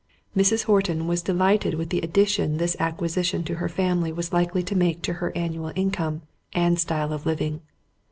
Mrs. Horton was delighted with the addition this acquisition to her family was likely to make to her annual income, and style of living.